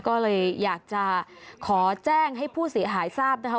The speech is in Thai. ก็เลยอยากจะขอแจ้งให้ผู้เสียหายทราบนะคะ